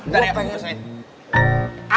dari apa yang selesai